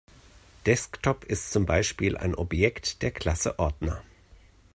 Desktop ist zum Beispiel ein Objekt der Klasse Ordner.